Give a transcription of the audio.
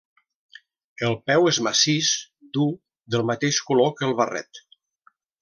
El peu és massís, dur, del mateix color que el barret.